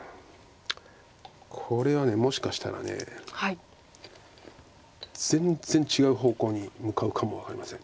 これはもしかしたら全然違う方向に向かうかも分かりません。